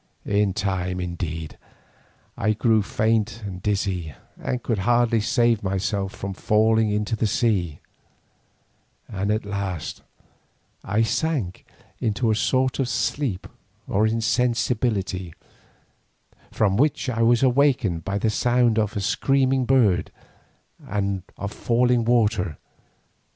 In time, indeed, I grew faint and dizzy, and could hardly save myself from falling into the sea, and at last I sank into a sort of sleep or insensibility, from which I was awakened by a sound of screaming birds and of falling water.